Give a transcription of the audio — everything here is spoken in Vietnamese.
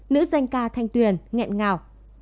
nữ danh ca thanh tuyền ngẹn ngào